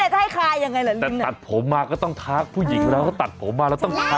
แต่ตัดผมมาก็ต้องทักผู้หญิงเราตัดผมมาค่ะแล้วต้องทักล่ะ